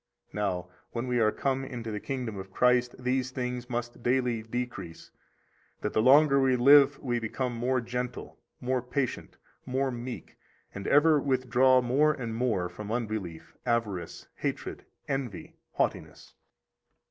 67 Now, when we are come into the kingdom of Christ, these things must daily decrease, that the longer we live we become more gentle, more patient, more meek, and ever withdraw more and more from unbelief, avarice, hatred, envy, haughtiness.